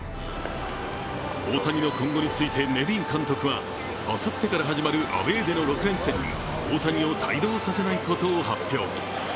大谷の今後について、ネビン監督はあさってから始まるアウェーでの６連戦に大谷を帯同させないことを発表。